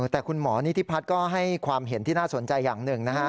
แต่คุณหมอนิธิพัฒน์ก็ให้ความเห็นที่น่าสนใจอย่างหนึ่งนะฮะ